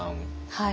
はい。